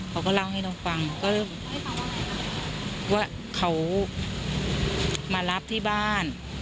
เขาก็เล่าให้น้องฟังก็เริ่มว่าเขามารับที่บ้าน